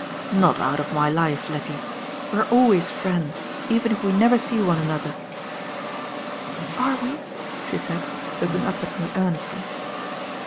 "Not out of my life, Lettie. We are always friends, even if we never see one another." "Are we?" she said, looking up at me earnestly.